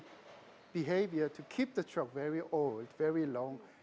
untuk menjaga kendaraan yang sangat tua dan panjang